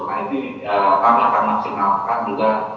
nah ini kami akan maksimalkan juga